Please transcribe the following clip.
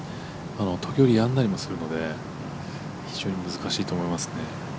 時折やんだりもするので非常に難しいと思いますね。